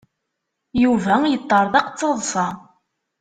Yuba yeṭṭerḍeq d taḍsa.